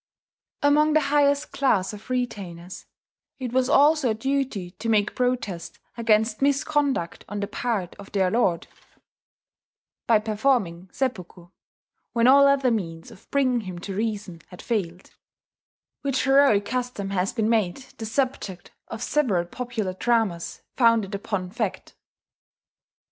Among the highest class of retainers, it was also a duty to make protest against misconduct on the part of their lord by performing seppuku, when all other means of bringing him to reason had failed, which heroic custom has been made the subject of several popular dramas founded upon fact.